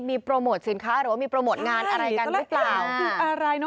ทุกคนขึ้นแบบนี้กันหมดเลยอ่ะ